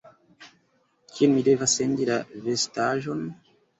Kien mi devas sendi la vestaĵon?